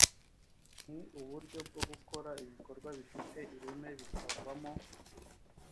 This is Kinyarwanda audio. ni uburyo bwo gukora ibikorwa bifite ireme bikavamo